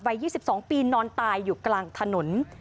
๒๒ปีนอนตายอยู่กลางถนน